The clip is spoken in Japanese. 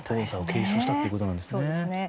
王者を継承したということなんですね。